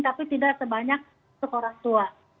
tapi tidak sebanyak untuk orang tua